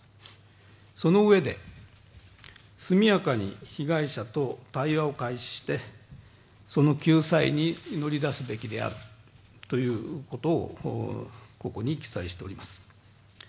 そのうえで、速やかに被害者と対話を開始してその救済に乗り出すべきであるということをここに記載しております。